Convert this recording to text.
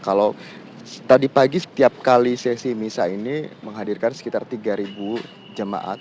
kalau tadi pagi setiap kali sesi misa ini menghadirkan sekitar tiga jemaat